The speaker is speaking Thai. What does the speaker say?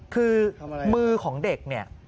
คือมือของเด็กเนี่ย